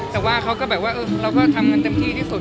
แต่ว่าเขาก็แบบว่าเราก็ทำกันเต็มที่ที่สุด